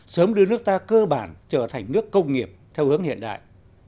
sớm đưa nước ta cơ bản trở thành nước công nghiệp theo hướng hiện đại